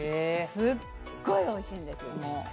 すっごいおいしいんですよ。